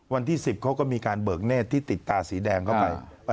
วันที่๑๐เขาก็มีการเบิกเนธที่ติดตาสีแดงเข้าไป